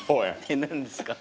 何ですか？